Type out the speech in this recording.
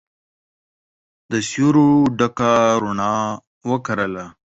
د سیورو ډکه روڼا وکرله